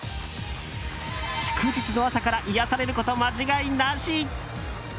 祝日の朝から癒やされること間違いなし。